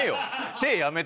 手やめて。